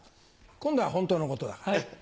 今度はホントのことだからね。